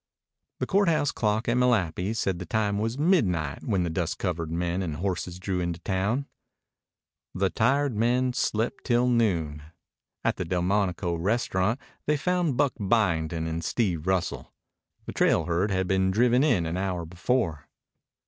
The court house clock at Malapi said the time was midnight when the dust covered men and horses drew into the town. The tired men slept till noon. At the Delmonico Restaurant they found Buck Byington and Steve Russell. The trail herd had been driven in an hour before.